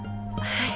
はい。